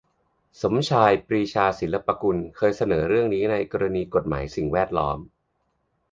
สมชาย ปรีชาศิลปกุล เคยเสนอเรื่องนี้ในกรณีกฎหมายสิ่งแวดล้อม